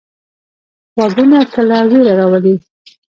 غږونه کله ویره راولي.